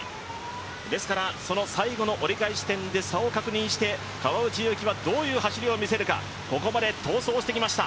ですから最後の折り返し地点で差を確認して川内優輝はどういう走りを見せるかここまで逃走してきました。